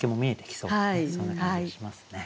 そんな感じがしますね。